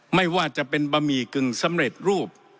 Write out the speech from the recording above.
ไม่ว่าจะเป็นบะหมี่กึ่งสำเร็จรูป